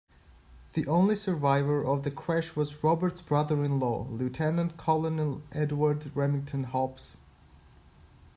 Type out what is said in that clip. The only survivor of the crash was Roberts' brother-in-law, Lieutenant Colonel Edward Remington-Hobbs.